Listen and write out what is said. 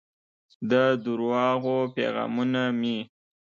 د درواغو پیغامونه مې